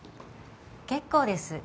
結構です。